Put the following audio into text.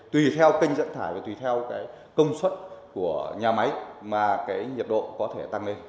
tùy theo kênh dẫn thải và tùy theo cái công suất của nhà máy mà cái nhiệt độ có thể tăng lên